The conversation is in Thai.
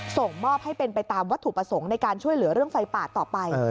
ส่งมอบให้เป็นไปตามวัตถุประสงค์ในการช่วยเหลือเรื่องไฟป่าต่อไป